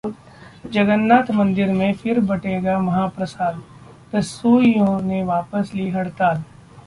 जगन्नाथ मंदिर में फिर बंटेगा महाप्रसाद, रसोइयों ने वापस ली हड़ताल